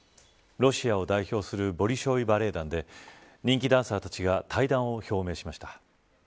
ロシアを代表するボリショイ・バレエ団で人気ダンサーたちが退団を表明しました。